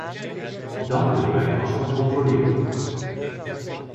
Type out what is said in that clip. Dan kunnen wij het pas goed controleren.